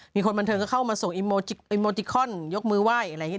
มีคนบันเทิงก็เข้ามาส่งยกมือไหว้อะไรอย่างเงี้ย